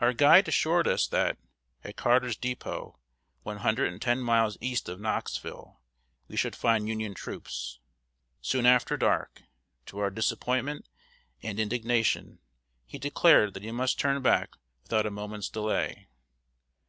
Our guide assured us that, at Carter's Dépôt, one hundred and ten miles east of Knoxville, we should find Union troops. Soon after dark, to our disappointment and indignation, he declared that he must turn back without a moment's delay.